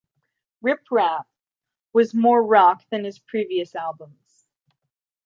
"Ripp rapp" was more rock than his previous albums.